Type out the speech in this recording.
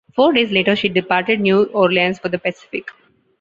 Four days later she departed New Orleans for the Pacific.